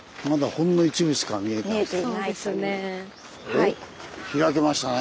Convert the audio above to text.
おっ開けましたね。